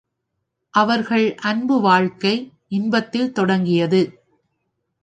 அவர்கள் அன்பு வாழ்க்கை இன்பத்தில் தொடங்கியது.